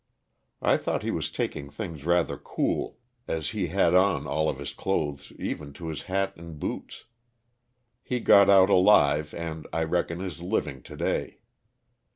I thought he was taking things rather cool, as he had on all of his clothes, even to his hat and boots. He got out alive and, I reckon, is living today.